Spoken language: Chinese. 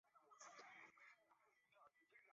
用卫星在太空上网